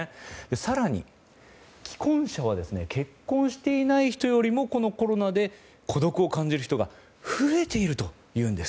更に、既婚者は結婚していない人よりもこのコロナで孤独を感じる人が増えているというんです。